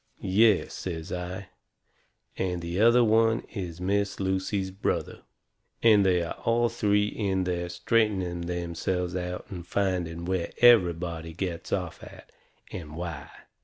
"Yes," says I, "and the other one is Miss Lucy's brother. And they are all three in there straightening themselves out and finding where everybody gets off at, and why.